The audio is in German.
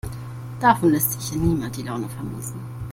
Davon lässt sich hier niemand die Laune vermiesen.